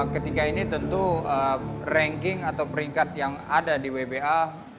ketika ini tentu ranking atau peringkat yang ada di wba